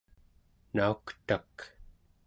nauktak